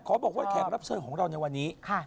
บอกว่าแขกรับเชิญของเราในวันนี้